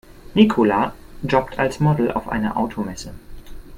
Nicola jobbt als Model auf einer Automesse.